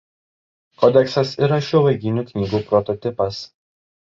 Kodeksas yra šiuolaikinių knygų prototipas.